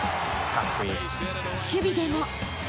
守備でも。